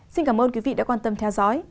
xin cảm ơn quý vị đã quan tâm theo dõi